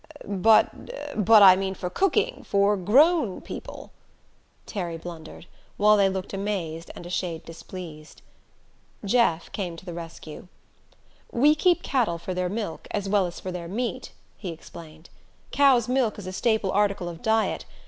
"But but I mean for cooking for grown people," Terry blundered, while they looked amazed and a shade displeased. Jeff came to the rescue. "We keep cattle for their milk, as well as for their meat," he explained. "Cow's milk is a staple article of diet.